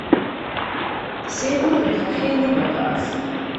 Сеигәырӷьоит ҳахьеилибакааз.